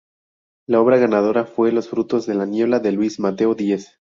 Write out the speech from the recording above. La obra ganadora fue Los frutos de la niebla de Luis Mateo Díez.